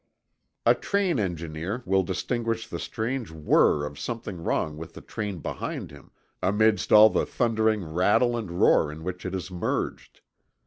A train engineer will distinguish the strange whir of something wrong with the train behind him, amidst all the thundering rattle and roar in which it is merged.